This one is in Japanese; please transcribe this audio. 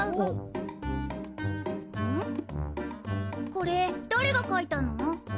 これだれがかいたの？